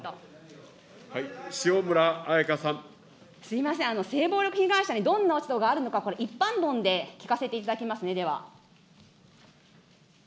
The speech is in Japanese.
すみません、性暴力被害者にどんな落ち度があるのか、一般論で聞かせていただきますね、では。